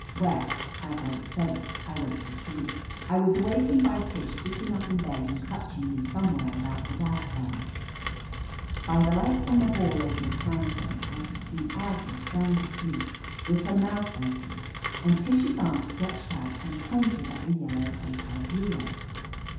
Well, as I was saying, I went to sleep. I was awakened by Tish sitting up in bed and clutching me somewhere about the diaphragm. , By the light from the hall over the transom I could see Aggie sound asleep, with her mouth opened, and Tish's arm stretched out and pointed at the yellow hotel bureau.